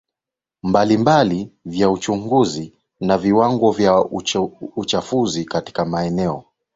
mbalimbali vya uchafuzi na viwango vya uchafuzi katika maeneo